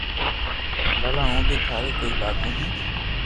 بلا ھون بي ٿاري ڪوئي لاگو ھون